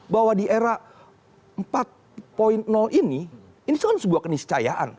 bahwa di era empat ini ini kan sebuah keniscayaan